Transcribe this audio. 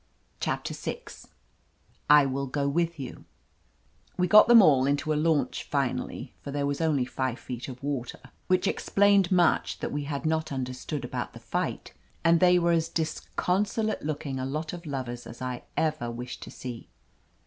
CHAPTER VI *'l WILL GO WITH YOU*' WE got them all into a launch finally, for there was only five feet of water, which explained much that we had not under stood about the fight, and they were as discon solate looking a lot of lovers as I ever wish to see.